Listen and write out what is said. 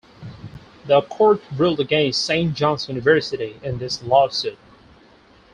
The court ruled against Saint John's University in this lawsuit.